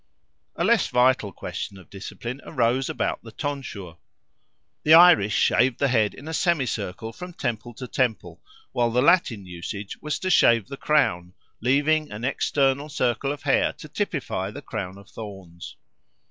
A less vital question of discipline arose about the tonsure. The Irish shaved the head in a semicircle from temple to temple, while the Latin usage was to shave the crown, leaving an external circle of hair to typify the crown of thorns.